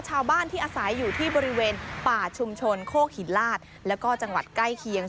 ชาวบ้านที่อาศัยอยู่ที่บริเวณป่าชุมชนโคกหินลาดแล้วก็จังหวัดใกล้เคียง